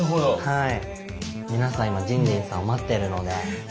はい。